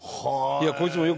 こいつもよく。